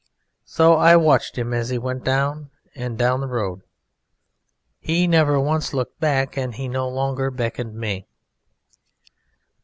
So I watched him as he went down and down the road. He never once looked back and he no longer beckoned me.